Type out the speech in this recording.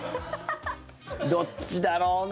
どっちだろうな。